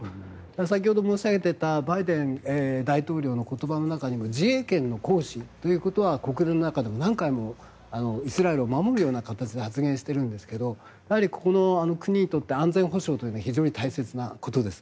先ほど申し上げていたバイデン大統領の言葉の中にも自衛権の行使ということ国連の中でも何回もイスラエルを守るような形で発言しているんですがここの国にとって安全保障は非常に大事なことです。